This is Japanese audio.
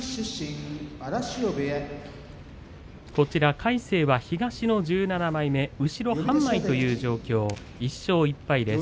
魁聖は東１７枚目後ろ半枚という状況です。